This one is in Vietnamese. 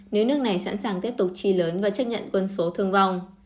nếu nước này sẵn sàng tiếp tục chi lớn và chấp nhận quân số thương vong